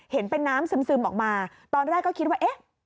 เห็นเป็นน้ำซึมออกมาตอนแรกก็คิดว่าเอ๊ะ